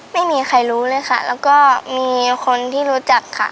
ไม่มีใครรู้เลยค่ะแล้วก็มีคนที่รู้จักค่ะ